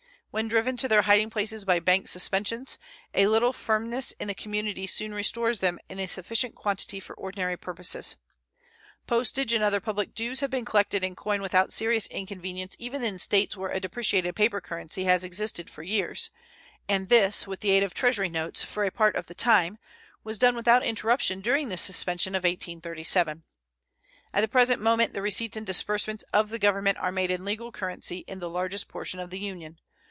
When driven to their hiding places by bank suspensions, a little firmness in the community soon restores them in a sufficient quantity for ordinary purposes. Postage and other public dues have been collected in coin without serious inconvenience even in States where a depreciated paper currency has existed for years, and this, with the aid of Treasury notes for a part of the time, was done without interruption during the suspension of 1837. At the present moment the receipts and disbursements of the Government are made in legal currency in the largest portion of the Union.